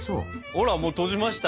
ほらもう閉じました。